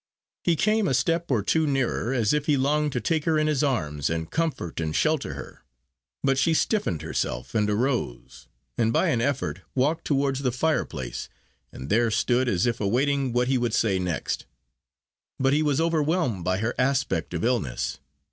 He came a step or two nearer, as if he longed to take her in his arms and comfort and shelter her; but she stiffened herself and arose, and by an effort walked towards the fireplace, and there stood, as if awaiting what he would say next. But he was overwhelmed by her aspect of illness.